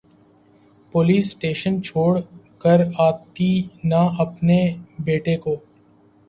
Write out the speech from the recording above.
police station چھوڑ کر آتی نا اپنے بیٹے کو